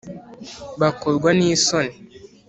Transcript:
Bakorwa N Isoni